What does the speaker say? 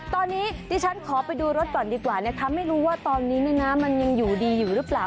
ตอนนี้ดิฉันขอไปดูรถก่อนดีกว่านะคะไม่รู้ว่าตอนนี้มันยังอยู่ดีอยู่หรือเปล่า